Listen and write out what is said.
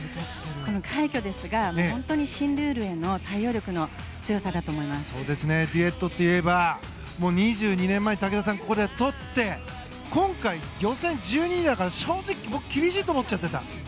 この快挙ですが本当に新ルールへの対応力のデュエットといえば２２年前に武田さんがここでとって今回、予選１２位だから正直、僕厳しいと思ってた。